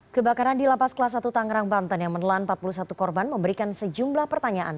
kebakaran di lapas kelas satu tangerang banten yang menelan empat puluh satu korban memberikan sejumlah pertanyaan